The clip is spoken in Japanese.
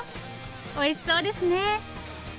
おいしそうですね！